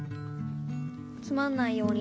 つまんないようにね。